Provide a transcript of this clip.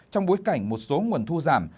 trong bối cảnh một số nguồn thu giảm